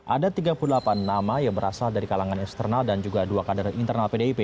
ada tiga puluh delapan nama yang berasal dari kalangan eksternal dan juga dua kader internal pdip